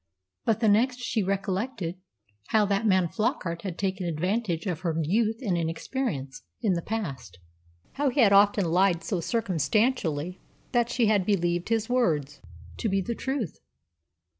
But the next she recollected how that man Flockart had taken advantage of her youth and inexperience in the past, how he had often lied so circumstantially that she had believed his words to be the truth.